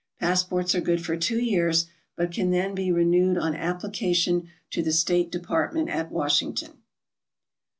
Passports are good for two years, but can then be renewed on application to the State Department at Wash ington.